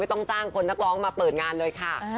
ต้องจ้างคนนักร้องมาเปิดงานเลยค่ะ